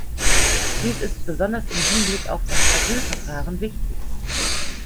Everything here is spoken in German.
Dies ist besonders im Hinblick auf das Asylverfahren wichtig.